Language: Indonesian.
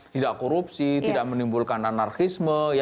tidak korupsi tidak menimbulkan anarkisme